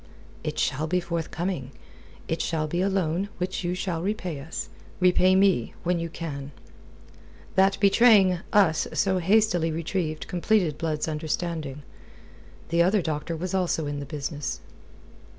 "It shall be forthcoming. It shall be a loan, which you shall repay us repay me, when you can." That betraying "us" so hastily retrieved completed Blood's understanding. The other doctor was also in the business.